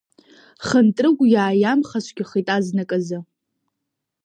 Хынтрыгә иааиамхацәгьахеит азныказы.